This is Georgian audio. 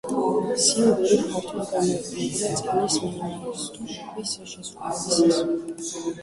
სინგური ფართოდ გამოიყენებოდა წიგნის მინიატურების შესრულებისას.